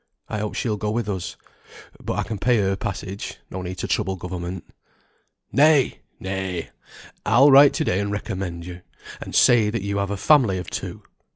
I hope she'll go with us. But I can pay her passage; no need to trouble government." "Nay, nay! I'll write to day and recommend you; and say that you have a family of two.